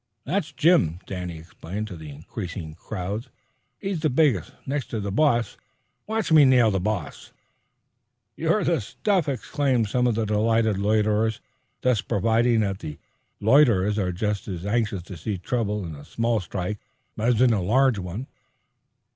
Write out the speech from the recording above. "That's Jim," Danny explained to the increasing crowd. "He's the biggest, next to the boss. Watch me nail the boss." "You're the stuff!" exclaimed some of the delighted loiterers, thus proving that the loiterers are just as anxious to see trouble in a small strike as in a large one.